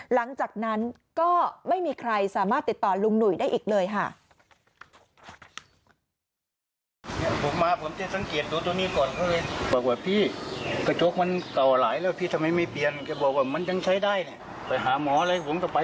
หลังจากนั้นก็ไม่มีใครสามารถติดต่อลุงหนุ่ยได้อีกเลยค่ะ